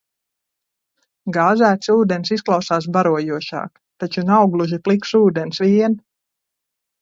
Gāzēts ūdens izklausās barojošāk. Taču nav gluži pliks ūdens vien!